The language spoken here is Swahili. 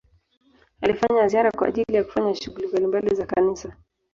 alifanya ziara kwa ajili ya kufanya shughuli mbalimbali za kanisa